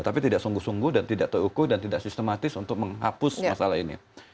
tapi tidak sungguh sungguh dan tidak terukur dan tidak sistematis untuk menghapus masalah ini